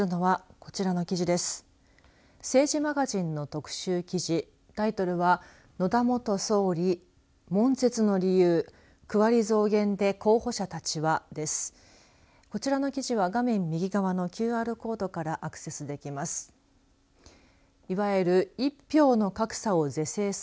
こちらの記事は画面右側のＱＲコードからアクセスできます。